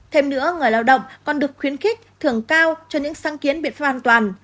thêm nữa người lao động còn được khuyến khích thường cao cho những sáng kiến biện pháp an toàn